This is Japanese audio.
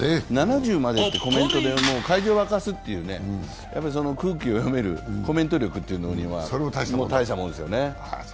７０までってコメントで会場を沸かすという、空気を読める、コメント力も大したもんですよね。